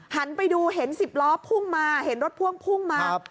หันไปดูเห็น๑๐ล้อพุ่งมาเห็นรถพ่วงพุ่งมา